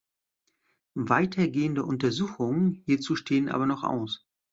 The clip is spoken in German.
Weitergehende Untersuchungen hierzu stehen aber noch aus.